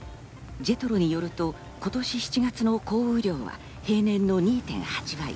ＪＥＴＲＯによると今年７月の降雨量は平年の２．８倍。